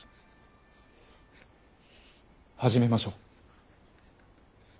始めましょう。